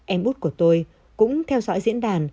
em út của tôi cũng theo dõi diễn đàn